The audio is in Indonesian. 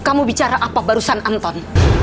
kamu bicara apa barusan anton